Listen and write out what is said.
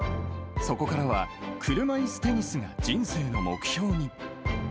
そこからは車いすテニスが人生の目標に。